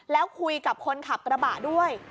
แล้วคุยกับคนขับกระบะด้วย